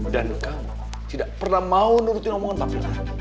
dan kamu tidak pernah mau dengerin omongan papi lagi